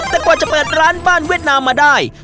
แต่กว่าจะเปิดร้านบ้านเวียดนามมาได้